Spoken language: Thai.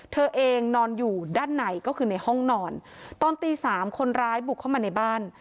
เธอเองนอนอยู่ด้านในก็คือในห้องนอนตอนตีสามคนร้ายบุกเข้ามาในบ้าน